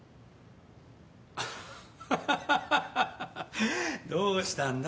ハハハどうしたんだ？